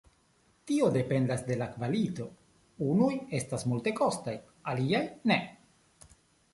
Tio dependas de la kvalito, unuj estas multekostaj, aliaj ne.